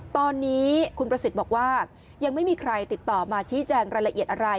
ตอนนี้คุณประสิทธิ์บอกว่ายังไม่มีใครติดต่อมาชี้แจงรายละเอียดอะไร